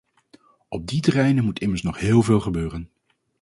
Op die terreinen moet immers nog heel veel gebeuren.